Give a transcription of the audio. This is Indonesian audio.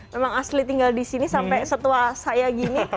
memang asli tinggal di sini sampai setua saya gini